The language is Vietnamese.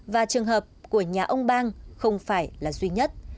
và trường hợp của nhà ông bang không phải là duy nhất